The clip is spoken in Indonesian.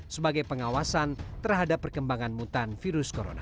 sebagai pengawasan terhadap perkembangan mutan virus corona